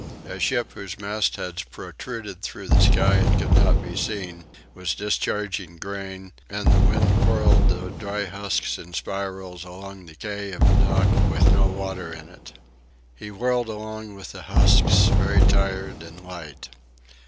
A ship whose mastheads protruded through the sky and could not be seen, was discharging grain, and the wind whirled the dry husks in spirals along the quay of a dock with no water in it. He whirled along with the husks very tired and light.